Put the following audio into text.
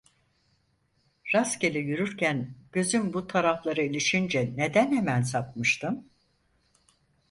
Rastgele yürürken gözüm bu taraflara ilişince neden hemen sapmıştım?